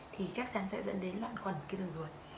thì chắc chắn sẽ dẫn đến loạn khuẩn cái đường ruột